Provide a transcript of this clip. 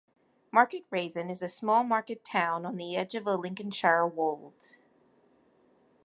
Market Rasen is a small market town on the edge of the Lincolnshire Wolds.